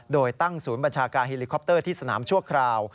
โดยตั้งศูนย์บัญชาการเฮลิคอปเตอร์ที่สนามชั่วคราว